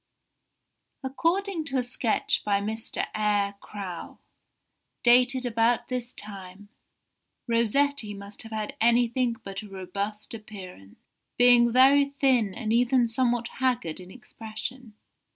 ] "According to a sketch by Mr. Eyre Crowe, dated about this time, Rossetti must have had anything but a robust appearance, being very thin and even somewhat haggard in expression.